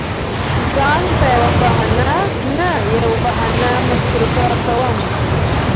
ځان په يوه بهانه نه يوه بهانه مصروف کوم.